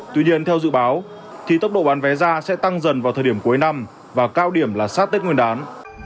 tuy nhiên theo dự báo thì tốc độ bán vé ra sẽ tăng dần vào thời điểm cuối năm và cao điểm là sát tết nguyên đán